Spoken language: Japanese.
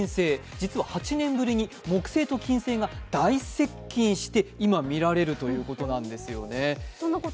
実は８年ぶりに木星と金星が大接近して、今、見られるということなんですね